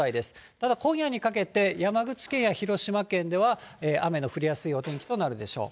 ただ今夜にかけて山口県や広島県では、雨の降りやすいお天気となるでしょう。